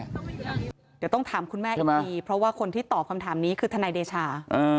เดี๋ยวต้องถามคุณแม่อีกทีเพราะว่าคนที่ตอบคำถามนี้คือทนายเดชา